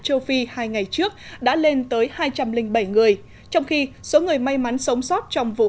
châu phi hai ngày trước đã lên tới hai trăm linh bảy người trong khi số người may mắn sống sót trong vụ